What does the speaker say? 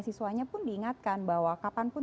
siswanya pun diingatkan bahwa kapanpun